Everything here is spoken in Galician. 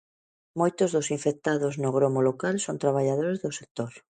Moitos dos infectados no gromo local son traballadores do sector.